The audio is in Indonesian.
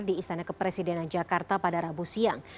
di istana kepresidenan jakarta pada rabu siang